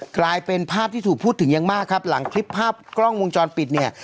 กลายเป็นภาพที่ถูกพูดถึงอย่างมากครับหลังคลิปภาพกล้องวงจรปิดเนี่ย